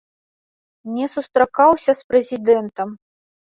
Не сустракаўся з прэзідэнтам.